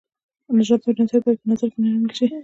نژاد او جنسیت باید په نظر کې ونه نیول شي.